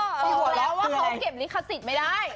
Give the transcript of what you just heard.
อยู่แล้วว่าเขาเก็บลิขสิทธิ์ไม่ได้